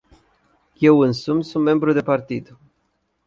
Eu însumi sunt membru de partid.